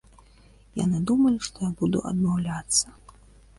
Яны думалі, што я буду адмаўляцца.